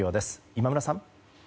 今村さん。